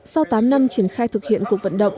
sau tám năm triển khai thực hiện cuộc vận động